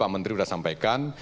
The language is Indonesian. menteri sudah sampaikan